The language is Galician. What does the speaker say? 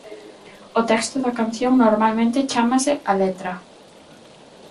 O texto da canción normalmente chámase "a letra".